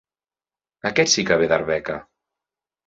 Aquest sí que ve d'Arbeca.